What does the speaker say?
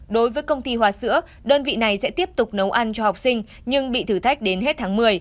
đối với công ty hoa sữa đơn vị này sẽ tiếp tục nấu ăn cho học sinh nhưng bị thử thách đến hết tháng một mươi